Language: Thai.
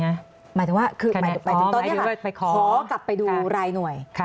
หมายถึงว่าคือหมายถึงตอนนี้ขอกลับไปดูรายหน่วย